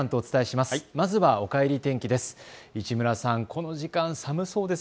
まずはおかえり天気です。